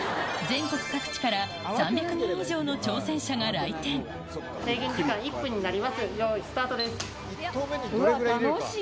全国各地から３００人以上の制限時間１分になります。